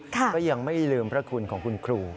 ก็ยังไม่ลืมพระคุณของคุณครู